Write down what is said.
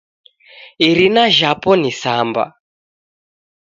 Irina jhapo ni Samba.